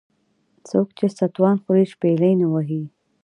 ـ څوک چې ستوان خوري شپېلۍ نه وهي .